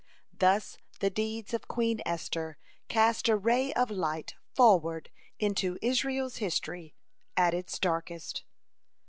Thus the deeds of Queen Esther cast a ray of light forward into Israel's history at its darkest.